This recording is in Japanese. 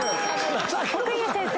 奥家先生。